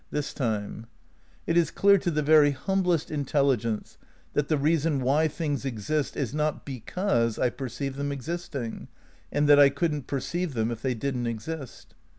this time. It is clear to the very humblest intelligence that the reason why things exist is not because I per ceive them existing, and that I couldn't perceive them if they didn't exist.